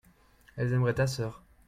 elles aimeraient ta sœur.